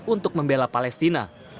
untuk membela palestina